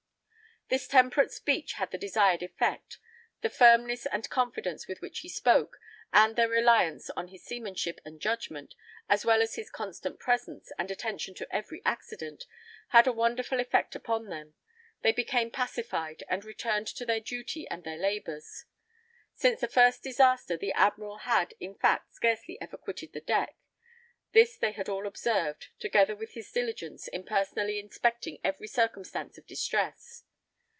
This temperate speech had the desired effect; the firmness and confidence with which he spoke, and their reliance on his seamanship and judgment, as well as his constant presence and attention to every accident, had a wonderful effect upon them; they became pacified, and returned to their duty and their labors. Since the first disaster, the admiral had, in fact, scarcely ever quitted the deck; this they had all observed, together with his diligence in personally inspecting every circumstance of distress.